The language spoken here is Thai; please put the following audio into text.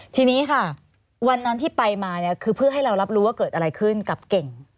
ทีนี้ค่ะวันนั้นที่ไปมาเนี่ยคือเพื่อให้เรารับรู้ว่าเกิดอะไรขึ้นกับเก่ง